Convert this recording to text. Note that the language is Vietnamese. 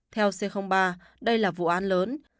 theo c ba đây là vụ án lớn